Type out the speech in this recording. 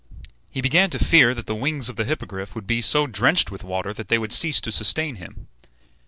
He began to fear that the wings of the Hippogriff would be so drenched with water that they would cease to sustain him.